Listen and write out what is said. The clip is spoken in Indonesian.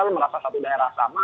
merasa satu daerah sama